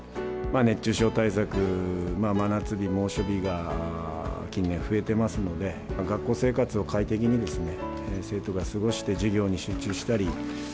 熱中症対策、真夏日、猛暑日が近年増えてますので、学校生活を快適に生徒が過ごして、授業に集中したり。